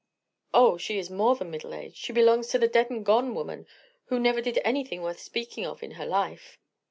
"Oh, she is more than middle aged. She belongs to the dead and gone woman, who never did anything worth speaking of in her life."